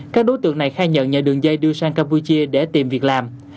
các đối tượng này khai nhận nhờ đường dây đưa sang campuchia để tìm việc làm